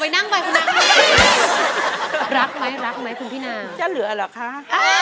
ไม่รักได้ไงคุณป่า